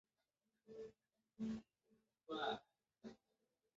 瓮津线